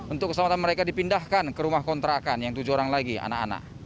untuk keselamatan mereka dipindahkan ke rumah kontrakan yang tujuh orang lagi anak anak